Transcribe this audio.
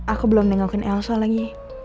aku belum nengokin elsa lagi